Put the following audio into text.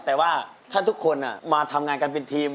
แต่ว่าถ้าทุกคนมาทำงานกันเป็นทีม